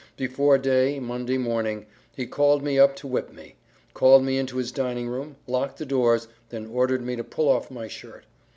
Before day, Monday morning, he called me up to whip me; called me into his dining room, locked the doors, then ordered me to pull off my shirt.